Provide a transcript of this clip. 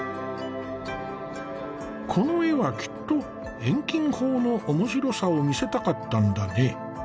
この絵はきっと遠近法の面白さを見せたかったんだね。